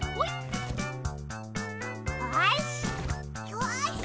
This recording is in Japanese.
よし！